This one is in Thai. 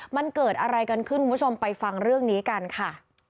มันเกิดอะไรกันขึ้นคุณผู้ชมไปฟังเรื่องนี้กันค่ะ